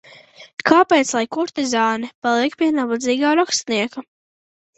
Kāpēc lai kurtizāne paliek pie nabadzīgā rakstnieka?